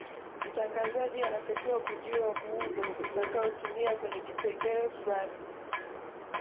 mtangazaji anatakiwa kujua muundo utakaotumia kwenye kipengele fulani